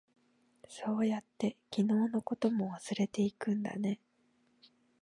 そうやって、昨日のことも忘れていくんだね。